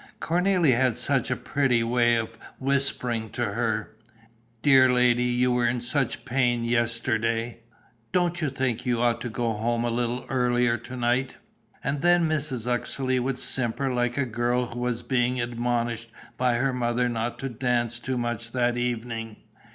Cornélie had such a pretty way of whispering to her: "Dear lady, you were in such pain yesterday. Don't you think you ought to go home a little earlier to night?" And then Mrs. Uxeley would simper like a girl who was being admonished by her mother not to dance too much that evening.